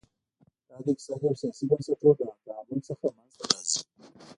دا د اقتصادي او سیاسي بنسټونو له تعامل څخه منځته راځي.